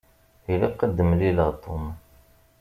Ilaq ad d-mmlileɣ Tom.